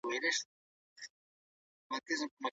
دا نړۍ زړه غمجنه